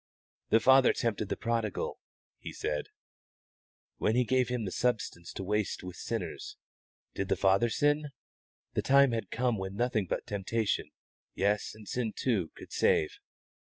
"The father tempted the prodigal," he said, "when he gave him the substance to waste with sinners. Did the father sin? The time had come when nothing but temptation yes, and sin too could save.